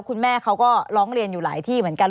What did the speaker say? คุณแม่เขาก็ร้องเรียนอยู่หลายที่เหมือนกัน